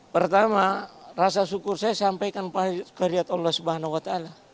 pertama rasa syukur saya sampaikan pada karyat allah swt